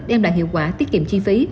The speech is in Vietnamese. đem lại hiệu quả tiết kiệm chi phí